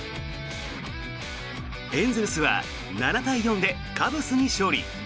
エンゼルスは７対４でカブスに勝利。